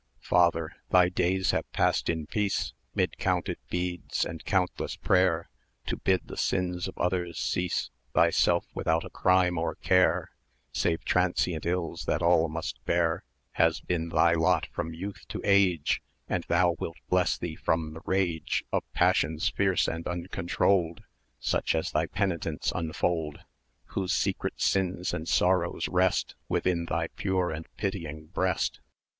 970 "Father! thy, days have passed in peace, 'Mid counted beads, and countless prayer; To bid the sins of others cease, Thyself without a crime or care, Save transient ills that all must bear, Has been thy lot from youth to age; And thou wilt bless thee from the rage Of passions fierce and uncontrolled, Such as thy penitents unfold, Whose secret sins and sorrows rest 980 Within thy pure and pitying breast.